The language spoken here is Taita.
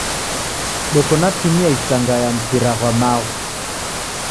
Deko na timu ya isanga ya mpira ghwa maghu.